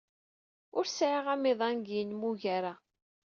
Ur sɛiɣ amiḍan deg yenmugar-a.